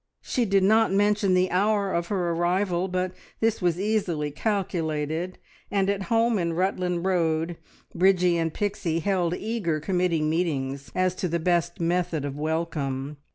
She did not mention the hour of her arrival, but this was easily calculated, and at home in Rutland Road, Bridgie and Pixie held eager committee meetings as to the best method of welcome.